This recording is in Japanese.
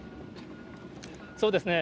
そうですね。